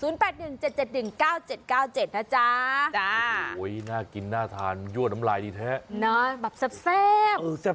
๐๘๑๗๗๑๙๗๙๗นะจ๊ะจ้าโอ้ยน่ากินน่าทานยั่วน้ำลายดีแท้เนาะแบบแซ่บ